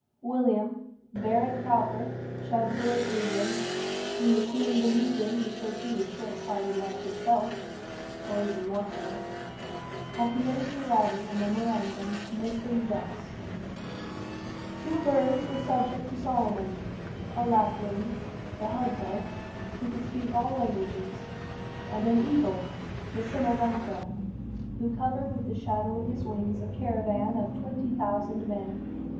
William, Baron Cowper, Chancellor of England, whom the queen believed in because he was short sighted like herself, or even more so, had committed to writing a memorandum commencing thus: "Two birds were subject to Solomon a lapwing, the hudbud, who could speak all languages; and an eagle, the simourganka, who covered with the shadow of his wings a caravan of twenty thousand men.